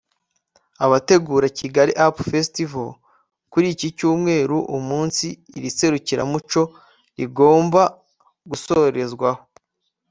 Abategura Kigali Up Festival kuri iki Cyumweru umunsi iri serukiramuco rigomba gusorezwaho